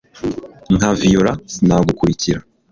Nka Viola Sinagukurikira